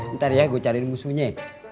ntar ya gue cariin musuhnya